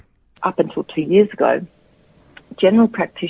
sejak dua tahun lalu praktisi umum tidak menjadi bagian dari pengajaran dokter